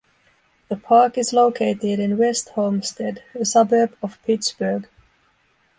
The park is located in West Homestead, a suburb of Pittsburgh.